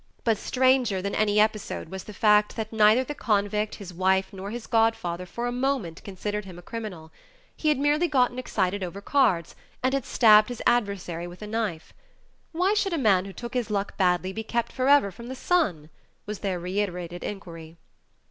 But stranger than any episode was the fact itself that neither the convict, his wife, nor his godfather for a moment considered him a criminal. He had merely gotten excited over cards and had stabbed his adversary with a knife. "Why should a man who took his luck badly be kept forever from the sun?" was their reiterated inquiry.